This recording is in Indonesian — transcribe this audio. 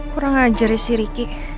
kurang ajar ya si riki